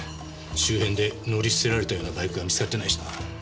周辺で乗り捨てられたようなバイクは見つかってないしな。